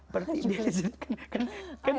berarti dia disini